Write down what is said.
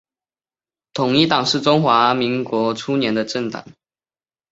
统一党是中华民国初年的政党。